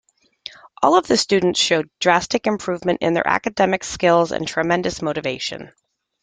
All of the students showed drastic improvement in their academic skills and tremendous motivation.